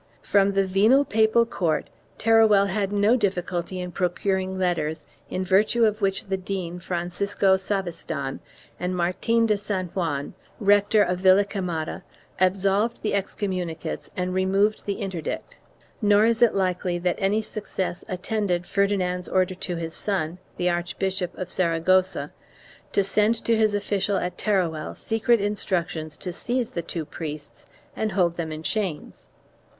From the venal papal court Teruel had no difficulty in procuring letters in virtue of which the dean, Francisco Savistan, and Martin de San Juan, rector of Villaquemada, absolved the excommunicates and removed the interdict, nor is it likely that any success attended Ferdinand's order to his son, the Archbishop of Saragossa, to send to his official at Teruel secret instructions to seize the two priests and hold them in chains.